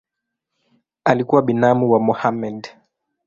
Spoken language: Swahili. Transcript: Alikuwa binamu wa Mohamed.